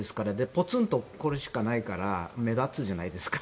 ぽつんとこれしかないから目立つじゃないですか。